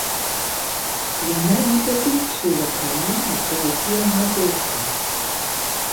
Яна не пералічыла краіны, пра якія гаворка.